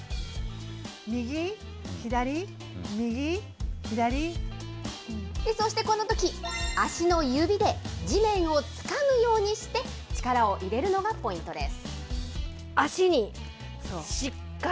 右、左、右、そしてこのとき、足の指で地面をつかむようにして力を入れるのがポイントです。